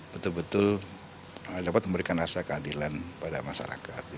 betul betul dapat memberikan rasa keadilan pada masyarakat